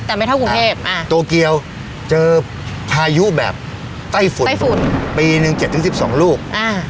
แต่ไม่เท่ากรุงเทพอ่าโตเกียวเจอพายุแบบไต้ฝุ่นไตฝุ่นปีหนึ่ง๗๑๒ลูก